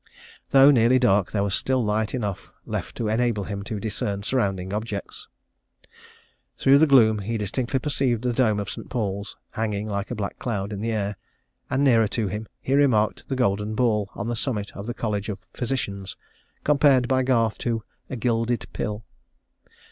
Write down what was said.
"Though nearly dark, there was still light enough left to enable him to discern surrounding objects. Through the gloom he distinctly perceived the dome of St. Paul's, hanging like a black cloud in the air; and, nearer to him, he remarked the golden ball on the summit of the College of Physicians, compared by Garth to a 'gilded pill.'